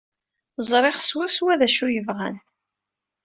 Ẓriɣ swaswa d acu ay bɣan.